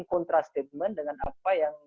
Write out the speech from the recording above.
kontra statement dengan apa yang